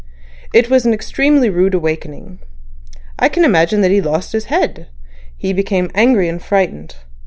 It was an extremely rude awakening. I imagine that he lost his head. He became angry and frightened.